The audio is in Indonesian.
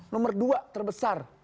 nomor dua terbesar